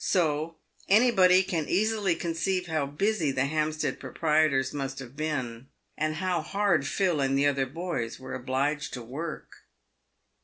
So any body can easily conceive how busy the Hampstead proprietors must have been, and how hard Phil and the other boys were obliged to work.